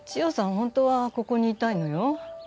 本当はここにいたいのよ。